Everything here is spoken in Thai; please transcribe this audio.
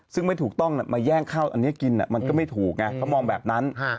ซึ่งไม่ถูกต้องมาแย่งข้าวอันนี้กินมันก็ไม่ถูกไงเขามองแบบนั้น